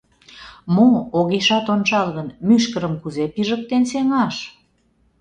— Мо, огешат ончал гын, мӱшкырым кузе пижыктен сеҥаш?